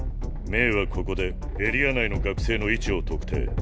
冥はここでエリア内の学生の位置を特定。